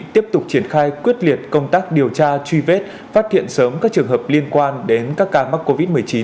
tiếp tục triển khai quyết liệt công tác điều tra truy vết phát hiện sớm các trường hợp liên quan đến các ca mắc covid một mươi chín